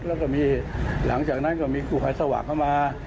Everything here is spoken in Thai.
แล้วก็มีหลังจากนั้นก็มีกู้ภัยสว่างเข้ามา